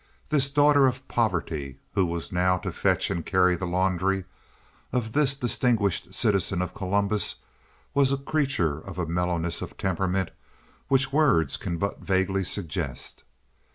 This daughter of poverty, who was now to fetch and carry the laundry of this distinguished citizen of Columbus, was a creature of a mellowness of temperament which words can but vaguely suggest.